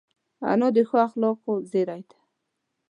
انا د ښو اخلاقو زېری ده